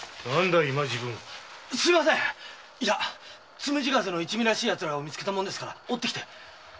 「つむじ風」の一味らしいヤツらをみつけたもんで追ってきて。